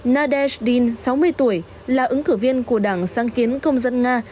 nadezhdin sáu mươi tuổi là ứng cử viên của đảng sang kiến công dân nga